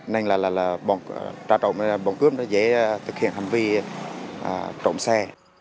nên là bọn cướp dễ thực hiện hành vi trộm xe